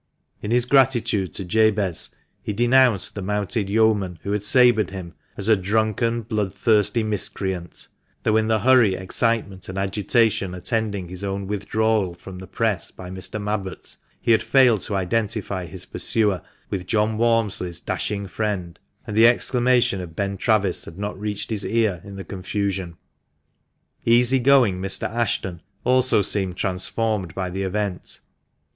In his gratitude to Jabez he denounced the mounted yeoman who had sabred him as " a drunken, blood thirsty miscreant," though in the hurry, excitement, and agitation attending his own withdrawal from the press by Mr. Mabbott, he had failed to identify his pursuer with John Walmsley's dashing friend, and the exclamation of Ben Travis had not reached his ear in the confusion. Easy going Mr. Ashton also seemed transformed by the event.